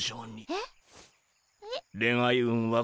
えっ？